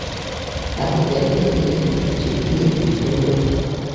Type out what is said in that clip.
Aŭ eble vi estis ĉi tie pli frue?